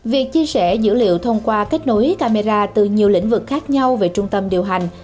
việc chia sẻ dữ liệu thông qua kết nối camera từ nhiều lĩnh vực khác nhau về trung tâm điều hành